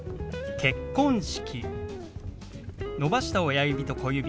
「結婚式」。